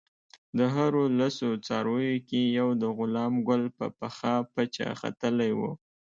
د هرو لسو څارویو کې یو د غلام ګل په پخه پچه ختلی وو.